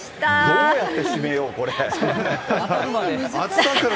どうやって締めよう、これ。